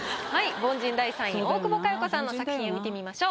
凡人第３位大久保佳代子さんの作品を見てみましょう。